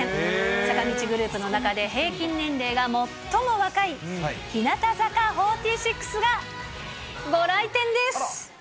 坂道グループの中で、平均年齢が最も若い日向坂４６がご来店です。